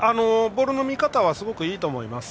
ボールの見方はすごくいいと思います。